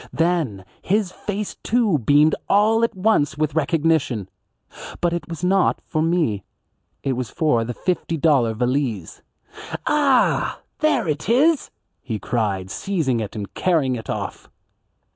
Then his face, too, beamed all at once with recognition. But it was not for me. It was for the fifty dollar valise. "Ah, there it is," he cried, seizing it and carrying it off.